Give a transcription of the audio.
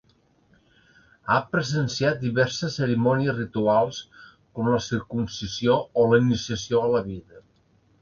Ha presenciat diverses cerimònies rituals, com la circumcisió, o la iniciació a la vida.